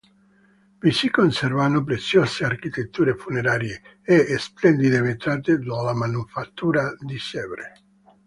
Vi si conservano preziose architetture funerarie e splendide vetrate della Manifattura di Sèvres.